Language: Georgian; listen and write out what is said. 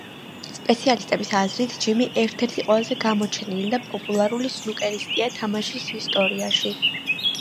სპეციალისტების აზრით, ჯიმი ერთ-ერთი ყველაზე გამოჩენილი და პოპულარული სნუკერისტია თამაშის ისტორიაში.